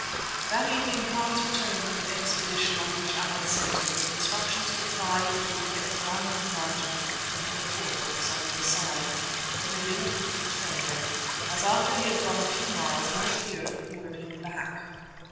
That evening Hans returned from an expedition on which I had sent him with instructions to try to get round the mountain and report what was on its other side. It had been a complete failure, as after he had gone a few miles men appeared who ordered him back.